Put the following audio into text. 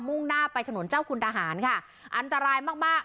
่งหน้าไปถนนเจ้าคุณทหารค่ะอันตรายมากมาก